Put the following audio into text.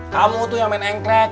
kamu tuh yang main engkrek